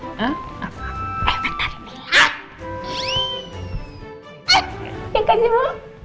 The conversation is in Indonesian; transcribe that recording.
eh yang kacau